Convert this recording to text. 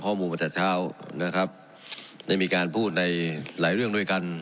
มาแต่เช้านะครับได้มีการพูดในหลายเรื่องด้วยกัน